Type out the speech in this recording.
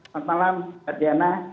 selamat malam mbak diana